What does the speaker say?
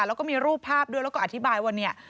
แล้วก็มีรูปภาพด้วยแล้วก็อธิบายว่าเนี่ย